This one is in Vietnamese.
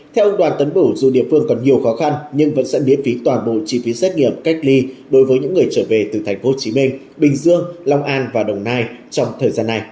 theo ông đoàn tấn bửu dù địa phương còn nhiều khó khăn nhưng vẫn sẽ miễn phí toàn bộ chi phí xét nghiệm cách ly đối với những người trở về từ thành phố hồ chí minh bình dương long an và đồng nai trong thời gian này